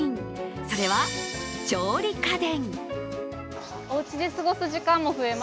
それは調理家電。